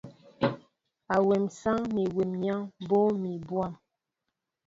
Awem sááŋ ni wem yááŋ ɓóoŋ mi bwăm.